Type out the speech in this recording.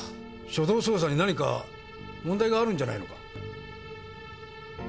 初動捜査に何か問題があるんじゃないのか？